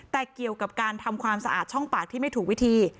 แต่เกี่ยวกับการทำความสะอาดช่องปากที่ไม่ถูกวิธี